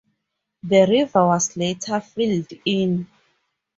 The river was later filled in.